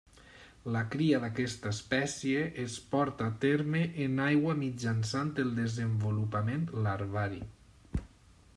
La cria d'aquesta espècie es porta a terme en aigua mitjançant el desenvolupament larvari.